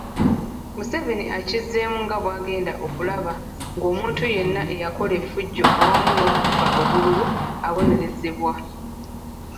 Museveni akizzeemu nga bw'agenda okulaba ng'omuntu yenna eyakola efujjo awamu n'okubba obululu abonerezebwa.